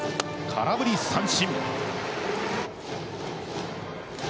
空振り三振。